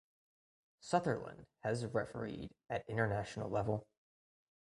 Sutherland has refereed at international level.